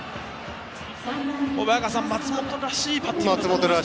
小早川さん、松本らしいバッティングでしたね。